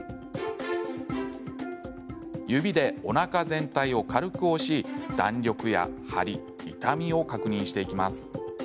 指でおなか全体を軽く押し弾力や張り、痛みを確認していきます。